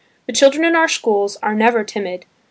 The children in our schools are never timid.